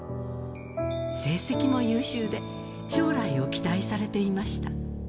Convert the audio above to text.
成績も優秀で、将来を期待されていました。